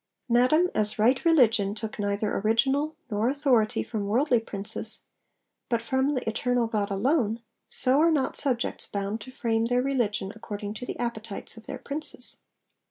'Madam, as right religion took neither original nor authority from worldly princes, but from the Eternal God alone, so are not subjects bound to frame their religion according to the appetites of their Princes.'